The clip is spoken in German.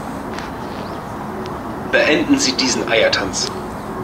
Beenden Sie diesen Eiertanz!